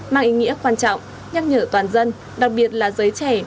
mang ý nghĩa quan trọng nhắc nhở toàn dân đặc biệt là giới trẻ